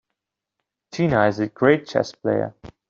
Gina is a great chess player.